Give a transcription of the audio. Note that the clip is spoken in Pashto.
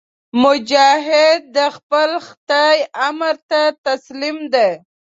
مجاهد د خپل خدای امر ته تسلیم دی.